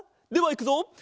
ではいくぞ！